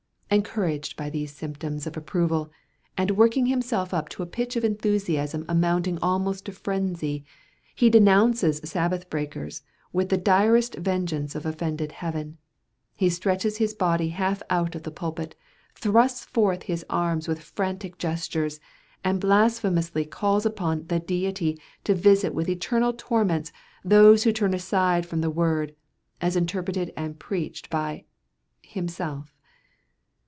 Encouraged by these symptoms of approval, and working himself up to a pitch of enthusiasm amounting almost to frenzy, he denounces sabbath breakers with the direst vengeance of offended Heaven. He stretches his body half out of the pulpit, thrusts forth his arms with frantic gestures, and blasphemously calls upon The Deity to visit with eternal torments, those who turn aside from the word, as interpreted and preached by—himself.